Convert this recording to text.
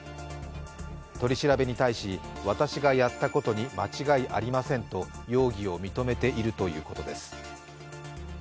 取り調べに対し、私がやったことに間違いありませんと容疑を認めているということです。